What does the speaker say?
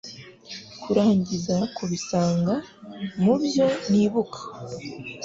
kurangiza kubisanga mubyo nibuka